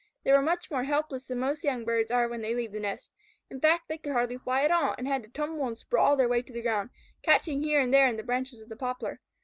They were much more helpless than most young birds are when they leave the nest. In fact, they could hardly fly at all, and had to tumble and sprawl their way to the ground, catching here and there in the branches of the poplar.